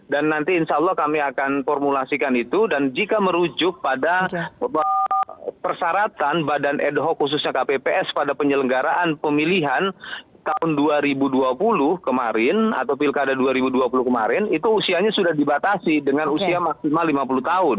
dan nanti insya allah kami akan formulasikan itu dan jika merujuk pada persyaratan badan ad hoc khususnya kpps pada penyelenggaraan pemilihan tahun dua ribu dua puluh kemarin atau pilkada dua ribu dua puluh kemarin itu usianya sudah dibatasi dengan usia maksimal lima puluh tahun